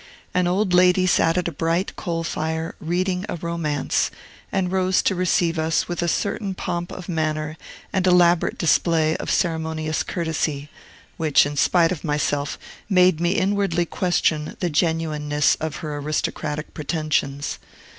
An old lady sat at a bright coal fire, reading a romance, and rose to receive us with a certain pomp of manner and elaborate display of ceremonious courtesy, which, in spite of myself, made me inwardly question the genuineness of her aristocratic pretensions.